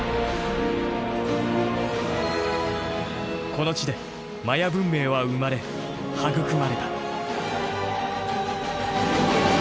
この地でマヤ文明は生まれ育まれた。